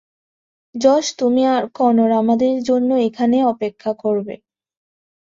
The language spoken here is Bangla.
জশ, তুমি আর কনর আমাদের জন্য এখানেই অপেক্ষা করবে।